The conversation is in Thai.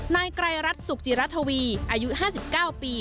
นายไกรรัฐสุขจิรัฐวีอายุ๕๙ปี